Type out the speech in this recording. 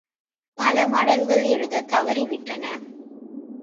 பல மடல்கள் எழுதத் தவறிவிட்டன.